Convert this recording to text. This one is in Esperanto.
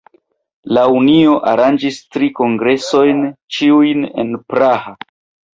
La Unio aranĝis tri kongresojn, ĉiujn en Praha.